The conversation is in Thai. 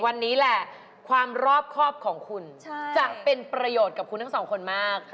วันนี้แหละความรอบครอบของคุณจะเป็นประโยชน์กับคุณทั้งสองคนมาก